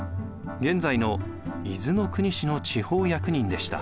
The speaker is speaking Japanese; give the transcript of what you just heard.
現在の伊豆の国市の地方役人でした。